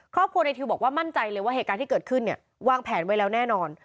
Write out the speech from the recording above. ครอบครัวในทิวบอกว่ามั่นใจเลยว่าเหตุการณ์ที่เกิดขึ้นเนี่ยวางแผนไว้แล้วแน่นอน